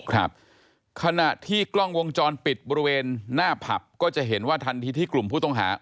ครับขณะที่กล้องวงจรปิดบริเวณหน้าผับก็จะเห็นว่าทันทีที่กลุ่มผู้ต้องหา